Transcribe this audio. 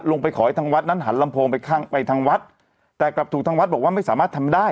ขอให้ทางวัดนั้นหันลำโพงไปข้างไปทางวัดแต่กลับถูกทางวัดบอกว่าไม่สามารถทำได้